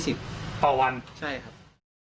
ใช่ครับ